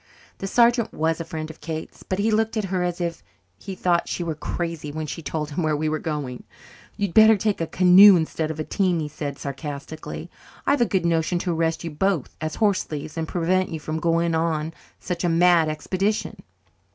The sergeant was a friend of Kate's, but he looked at her as if he thought she was crazy when she told him where we were going. "You'd better take a canoe instead of a team," he said sarcastically. "I've a good notion to arrest you both as horse thieves and prevent you from going on such a mad expedition."